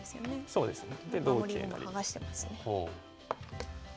そうですね。